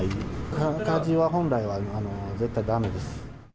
空かじは本来は絶対だめです。